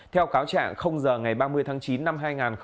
theo cáo trạng không giờ ngày ba mươi tháng chín năm hai nghìn hai mươi ba